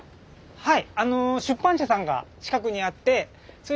はい。